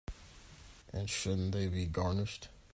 And shouldn't they be garnished?